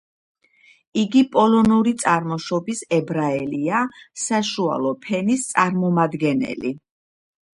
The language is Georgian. იგი პოლონური წარმოშობის ებრაელია, საშუალო ფენის წარმომადგენელი.